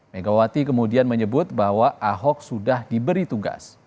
megawati kemudian menyebut bahwa ahok sudah diberi tugas